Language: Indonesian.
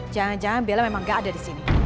jangan jangan bella memang gak ada di sini